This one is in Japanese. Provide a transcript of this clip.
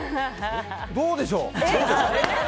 どうでしょう？